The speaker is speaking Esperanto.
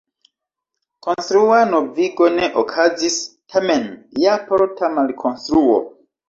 Konstrua novigo ne okazis, tamen ja parta malkonstruo.